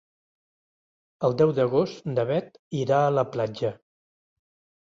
El deu d'agost na Bet irà a la platja.